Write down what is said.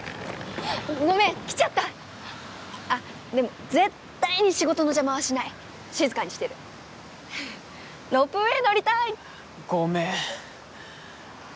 ごめん来ちゃったあっでも絶対に仕事の邪魔はしない静かにしてるロープウェイ乗りたいっごめん